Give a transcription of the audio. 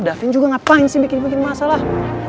davin juga ngapain sih bikin bikin masalah